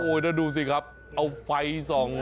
โอ้ยน้องดูสิครับเอาไฟส่องโอ้ย